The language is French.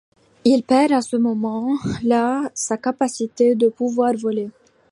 Il perd à ce moment-là sa capacité de pouvoir voler.